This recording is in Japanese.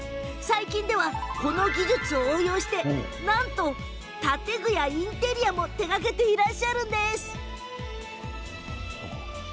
最近ではこの技術を応用して建具やインテリアも手がけているんです。